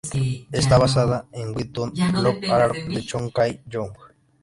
Está basada en el webtoon "Love Alarm" de Chon Kye-young.